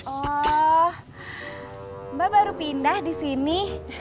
oh mba baru pindah disini